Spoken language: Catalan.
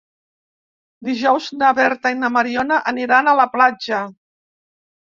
Dijous na Berta i na Mariona aniran a la platja.